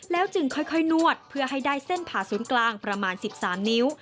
จึงค่อยนวดเพื่อให้ได้เส้นผ่าศูนย์กลางประมาณ๑๓นิ้ว